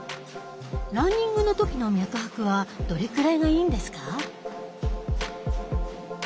ランニングの時の脈拍はどれくらいがいいんですか？